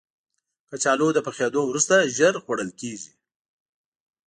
کچالو له پخېدو وروسته ژر خوړل کېږي